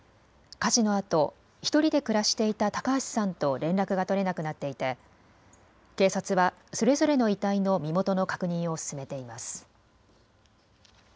火事のあと１人で暮らしていた高橋さんと連絡が取れなくなっていて警察はそれぞれの遺体の身元の確認を進めています。